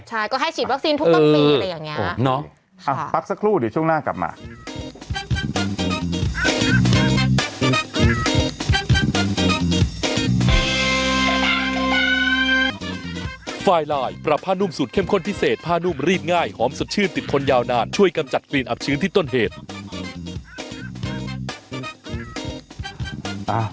ใช่ก็ให้ฉีดวัคซีนปกติอะไรอย่างนี้นะครับโอ้โฮน้องปั๊บสักครู่เดี๋ยวช่วงหน้ากลับมา